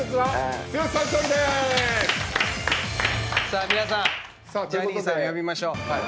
さあ皆さんジャニーさん呼びましょう。